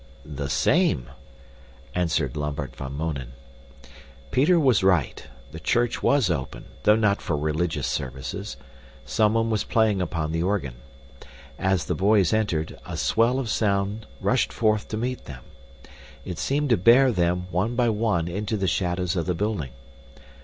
"The same," answered Lambert van Mounen. Peter was right. The church was open, though not for religious services. Someone was playing upon the organ. As the boys entered, a swell of sound rushed forth to meet them. It seemed to bear them, one by one, into the shadows of the building.